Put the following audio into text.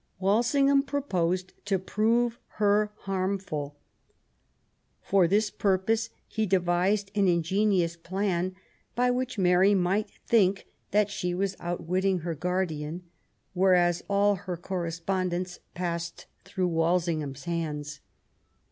Wal singham proposed to prove her harmful. For this purpose he devised an ingenious plan by which Mary might think that she was outwitting her guardian, whereas all her correspondence passed through Wal singham's hands.